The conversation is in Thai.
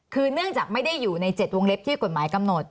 คือเนื่องจากไม่ได้อยู่ใน๗วงเล็บที่กฎหมายกำหนด